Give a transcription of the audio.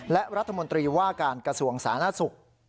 และรัฐมนตรีว่าการกระทรวงสาธารณสุข